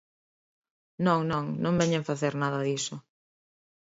Non, non, non veñen facer nada diso.